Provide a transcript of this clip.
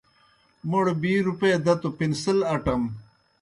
موْڑ بِی روېیئے دہ تو پنسل اٹم۔